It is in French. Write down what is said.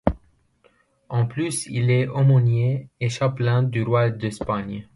En plus il est aumônier et chapelain du roi d'Espagne.